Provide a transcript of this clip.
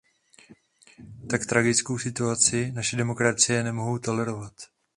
Tak tragickou situaci naše demokracie nemohou tolerovat.